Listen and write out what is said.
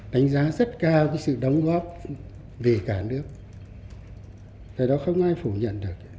đánh giá rất cao sự đóng góp về cả nước tại đó không ai phủ nhận được